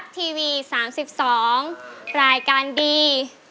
ทีวีสามสิบสองลายการดี